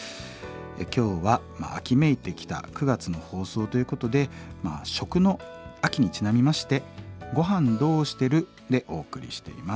今日は秋めいてきた９月の放送ということでまあ「食の秋」にちなみまして「ごはんどうしてる？」でお送りしています。